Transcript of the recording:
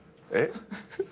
えっ？